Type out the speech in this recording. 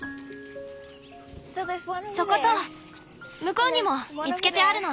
そこと向こうにも見つけてあるの。